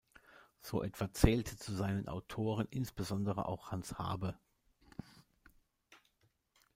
So etwa zählte zu seinen Autoren insbesondere auch Hans Habe.